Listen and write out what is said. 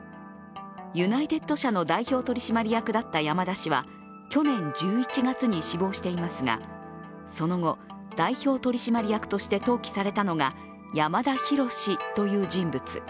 ユナイテッド社の代表取締役だった山田氏は去年１１月に死亡していますがその後、代表取締役として登記されたのが山田博という人物。